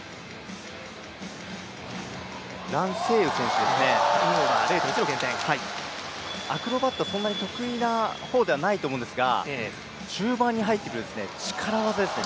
蘭星宇選手、アクロバットはそんなに得意な方ではないと思うんですが、中盤に入ってくると力技ですね。